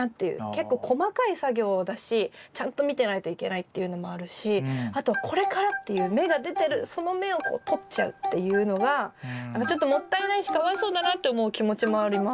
結構細かい作業だしちゃんと見てないといけないっていうのもあるしあとはこれからっていう芽が出てるその芽をこうとっちゃうっていうのがちょっともったいないしかわいそうだなって思う気持ちもあります。